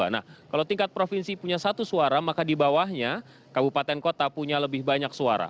nah kalau tingkat provinsi punya satu suara maka di bawahnya kabupaten kota punya lebih banyak suara